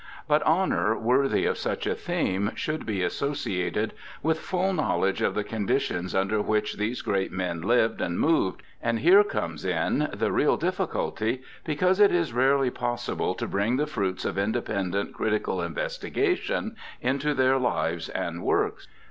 But, honour worthy of such a theme should be associated with full knowledge of the conditions under which these great men lived and moved ; and here comes in the real difficulty, because it is rarely possible to bring the fruits of independent critical investigation into their lives and works.